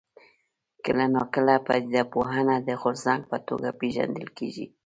کله ناکله پدیده پوهنه د غورځنګ په توګه پېژندل کېږي.